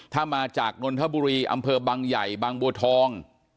ถ้ามาจากนนทบุรีอำเภอบังใหญ่บางบัวทอง